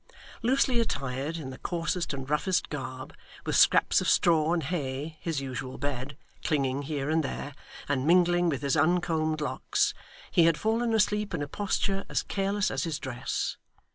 Loosely attired, in the coarsest and roughest garb, with scraps of straw and hay his usual bed clinging here and there, and mingling with his uncombed locks, he had fallen asleep in a posture as careless as his dress.